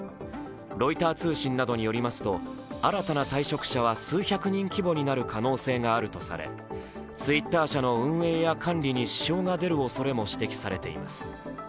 ロイター通信などによりますと新たな退職者は数百人規模になる可能性があるとされＴｗｉｔｔｅｒ社の運営や管理に支障が出る可能性も指摘されています。